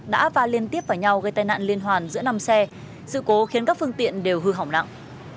đã va liên tiếp vào nhau gây tai nạn liên hoàn giữa năm xe sự cố khiến các phương tiện đều hư hỏng nặng